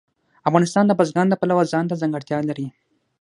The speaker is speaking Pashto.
افغانستان د بزګان د پلوه ځانته ځانګړتیا لري.